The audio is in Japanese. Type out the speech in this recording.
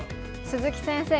鈴木先生